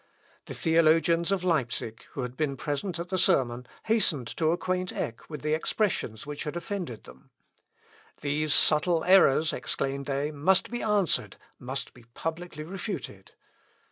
The theologians of Leipsic, who had been present at the sermon, hastened to acquaint Eck with the expressions which had offended them. "These subtile errors," exclaimed they, "must be answered, must be publicly refuted."